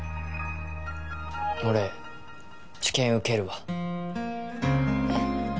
俺治験受けるわえっ